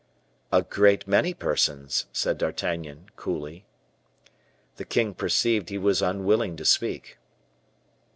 "A great many persons," said D'Artagnan, coolly. The king perceived he was unwilling to speak.